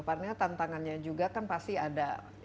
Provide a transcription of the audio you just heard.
karena tantangannya juga kan pasti ada